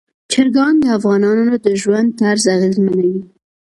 چرګان د افغانانو د ژوند طرز اغېزمنوي.